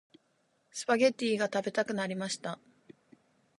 スパゲッティが食べたくなりました。